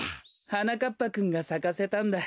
はなかっぱくんがさかせたんだ。